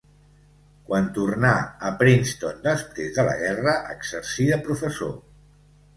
Quan tornà a Princeton després de la guerra exercí de professor.